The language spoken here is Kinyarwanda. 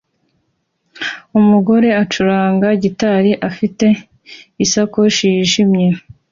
Umugore ucuranga gitari afite isakoshi yijimye